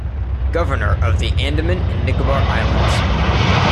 Governor of the Andaman and Nicobar Islands.